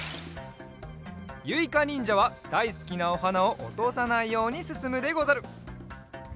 ゆいかにんじゃはだいすきなおはなをおとさないようにすすむでござる。